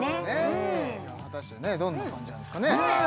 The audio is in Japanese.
果たしてどんな感じなんですかねねぇ